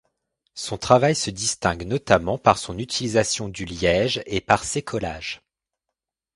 Son travail se distingue notamment par son utilisation du liège et par ses collages.